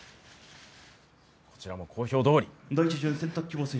こちらも公表どおり。